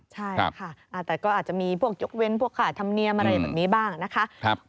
ใช่ค่ะแต่ก็อาจจะมีพวกยกเว้นพวกขาดธรรมเนียมอะไรแบบนี้บ้างนะคะ